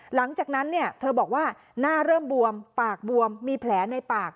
หลังจากนั้นเธอบอกว่าหน้าเริ่มบวมปากบวมมีแผลในปาก